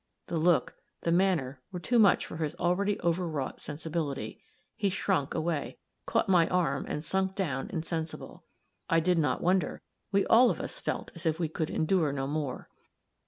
The look, the manner, were too much for his already overwrought sensibility; he shrunk away, caught my arm, and sunk down, insensible. I did not wonder. We all of us felt as if we could endure no more.